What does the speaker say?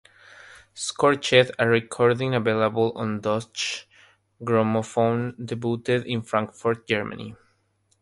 "Scorched", a recording available on Deutsche Grammophon, debuted in Frankfurt, Germany.